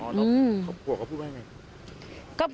อ๋อพวกเขาพูดว่ายังไง